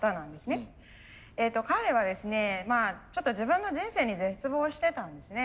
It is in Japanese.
彼はですねちょっと自分の人生に絶望してたんですね。